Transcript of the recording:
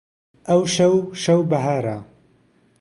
ئەوشەو شەو بەهارە